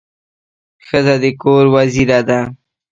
ښځه د کور وزیره ده.